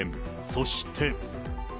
そして。